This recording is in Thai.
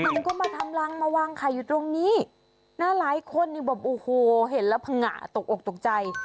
มันก็มาทำรังมาวางค่ะอยู่ตรงนี้น่าร้ายคนบอกโอ้โหเห็นแล้วผง่าตกอกตกใจ